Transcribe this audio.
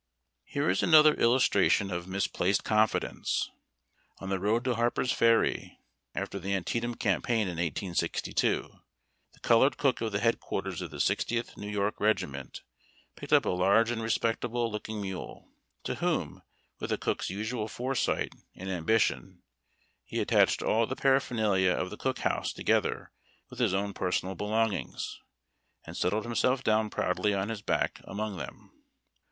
Here is another illustration of misplaced confidence. On the road to Harper's Ferry, after the Antietam campaign in 1862, the colored cook of the headquarters of the Sixtieth New York Regiment picked up a large and respectable look ing mule, to whom, with a cook's usual foresight and ambi tion, he attached all the paraphernalia of the cook house together with his own personal ' belongings, and settled himself down proudly on his back among them.